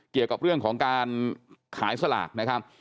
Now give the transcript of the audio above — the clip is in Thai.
เกี่ยวกับเรื่องของการขายสลากนะครับ